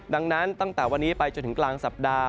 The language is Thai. ดังนั้นตั้งแต่วันนี้ไปจนถึงกลางสัปดาห์